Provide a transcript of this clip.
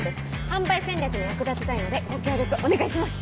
販売戦略に役立てたいのでご協力お願いします。